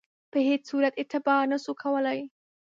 په هیڅ صورت اعتبار نه سو کولای.